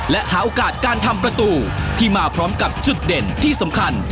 และหาโอกาสการทำประตูที่มาพร้อมกับจุดเด่นที่สำคัญ